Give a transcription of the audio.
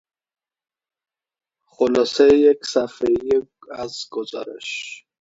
خلاصهی یک صفحهای از گزارش